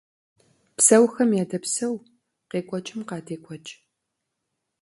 Псэухэм ядэпсэу, къекӀуэкӀым къадекӀуэкӀ.